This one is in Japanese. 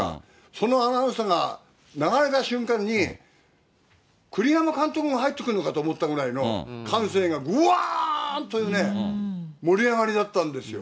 そのアナウンスが流れた瞬間に、栗山監督が入ってくるのかと思ったぐらいの歓声がぶわーんというね、盛り上がりだったんですよ。